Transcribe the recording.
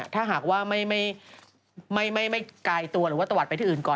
ถ้าหากว่าไม่กายตัวหรือว่าตะวัดไปที่อื่นก่อน